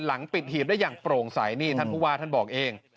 หลังปิดหีบได้อย่างโปร่งใสนี่ท่านผู้ว่าท่านบอกเอง